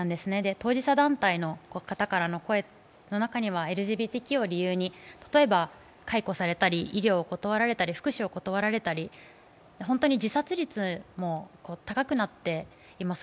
当事者団体の方からの声の中にはＬＧＢＴＱを問題に例えば、解雇されたり医療を断られたり福祉を断られたり本当に自殺率も高くなっています。